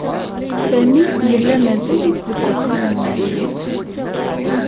Sami yella mazal-it deg uxxam-nni.